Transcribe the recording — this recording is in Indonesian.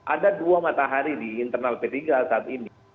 ada dua matahari di internal p tiga saat ini